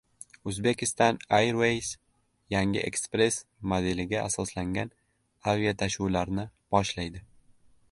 Uzbekistan Airways yangi Express modeliga asoslangan aviatashuvlarni boshlaydi